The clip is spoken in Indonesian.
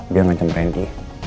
dia ngancam rendy